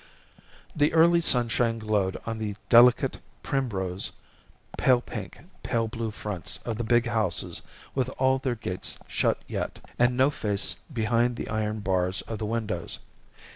The early sunshine glowed on the delicate primrose, pale pink, pale blue fronts of the big houses with all their gates shut yet, and no face behind the iron bars of the windows.